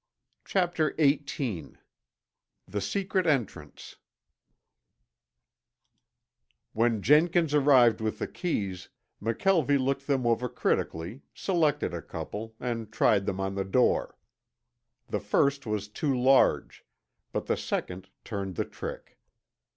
CHAPTER XVIII THE SECRET ENTRANCE When Jenkins arrived with the keys, McKelvie looked them over critically, selected a couple, and tried them on the door. The first was too large, but the second turned the trick.